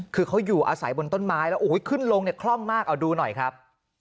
คือเขาอยู่อาศัยบนต้นไม้แล้วโอ้โหขึ้นลงเนี่ยคล่องมากเอาดูหน่อยครับ